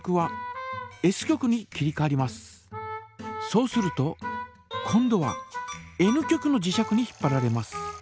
そうすると今度はＮ極の磁石に引っぱられます。